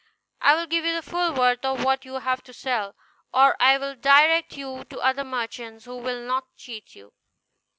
I will give you the full worth of what you have to sell, or I will direct you to other merchants who will not cheat you."